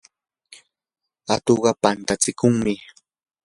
atuqqa pantatsikuqmi.